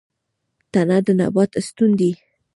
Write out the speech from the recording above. تنه د نبات ستون دی